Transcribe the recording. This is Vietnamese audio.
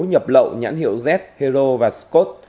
nhập lậu nhãn hiệu z hero và scott